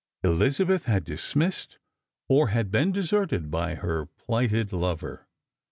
Elijzabeth had dismissed, or had been deserted by, her plighted lover.